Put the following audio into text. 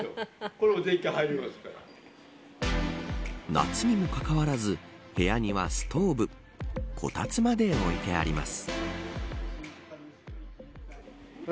夏にもかかわらず部屋にはストーブこたつまで置いてあります。